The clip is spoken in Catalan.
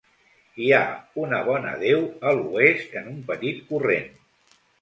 Hi ha una bona deu a l'oest en un petit corrent.